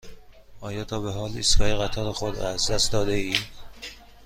آیا تا به حال ایستگاه قطار خود را از دست داده ای؟